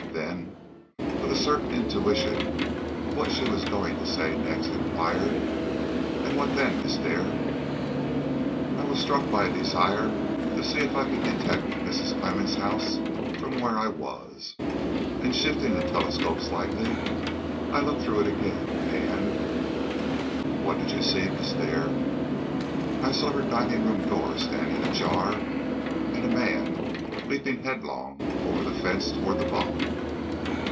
Then, with a certain intuition of what she was going to say next, inquired: "And what then, Miss Dare?" "I was struck by a desire to see if I could detect Mrs. Clemmens' house from where I was, and shifting the telescope slightly, I looked through it again, and " "What did you see, Miss Dare?" "I saw her dining room door standing ajar and a man leaping headlong over the fence toward the bog."